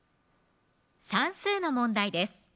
算数の問題です